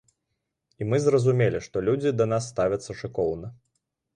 І мы зразумелі, што людзі да нас ставяцца шыкоўна.